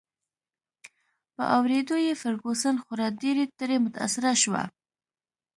په اوریدو یې فرګوسن خورا ډېر ترې متاثره شوه.